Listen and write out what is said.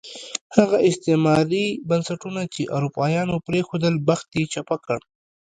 هغه استعماري بنسټونه چې اروپایانو پرېښودل، بخت یې چپه کړ.